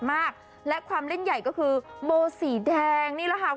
โบเขาใหญ่มากเลย